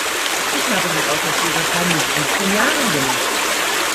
Ich habe den Autoführerschein mit siebzehn Jahren gemacht.